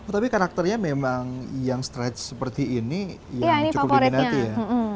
tapi karakternya memang yang stretch seperti ini yang cukup diminati ya